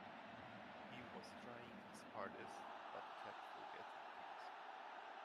He was trying his hardest, but kept forgetting things.